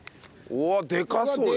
うわでかそう。